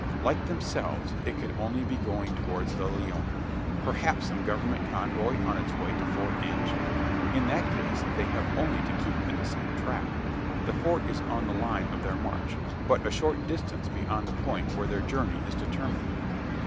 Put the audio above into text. Like themselves, it could only be going towards the Leona: perhaps some government convoy on its way to Fort Inge? In that case they have only to keep in the same track. The Fort is on the line of their march but a short distance beyond the point where their journey is to terminate.